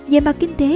về mặt kinh tế